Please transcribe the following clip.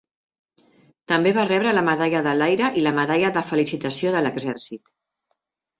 També va rebre la medalla de l'Aire i la medalla de felicitació de l'Exèrcit.